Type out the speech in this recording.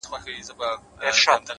ځكه له يوه جوړه كالو سره راوتـي يــو-